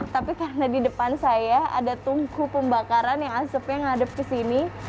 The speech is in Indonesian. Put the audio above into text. tapi karena di depan saya ada tungku pembakaran yang asapnya ngadep ke sini